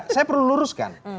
saya perlu luruskan